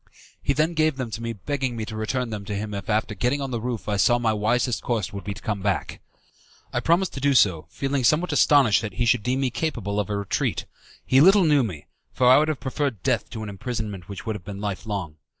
He then gave them to me begging me to return them to him if after getting on the roof I saw my wisest course would be to come back. I promised to do so, feeling somewhat astonished that he should deem me capable of a retreat. He little knew me, for I would have preferred death to an imprisonment which would have been life long.